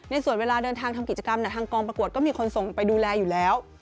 ส่วนเวลาเดินทางทำกิจกรรมทางกองประกวดก็มีคนส่งไปดูแลอยู่แล้ว